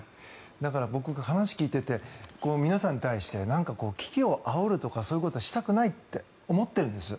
だから話を聞いていて皆さんに対してなんか、危機をあおるとかそういうことはしたくないって思っているんです。